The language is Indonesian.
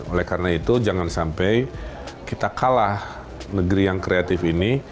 oleh karena itu jangan sampai kita kalah negeri yang kreatif ini